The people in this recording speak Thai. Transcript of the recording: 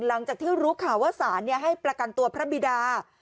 หลังจากที่รู้ข่าวว่าสารให้ประกันตัวพระบิดา